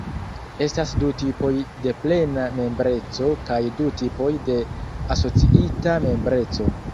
Estas du tipoj de plena membreco kaj du tipoj de asociita membreco.